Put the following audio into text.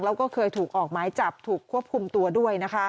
แล้วก็เคยถูกออกหมายจับถูกควบคุมตัวด้วย